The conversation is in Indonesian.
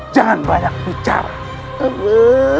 jangan banyak bicara